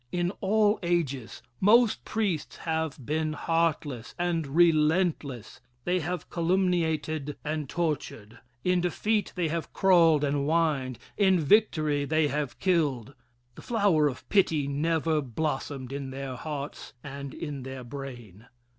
In all ages most priests have been heartless and relentless. They have calumniated and tortured. In defeat they have crawled and whined. In victory they have killed. The flower of pity never blossomed in their hearts and in their brain.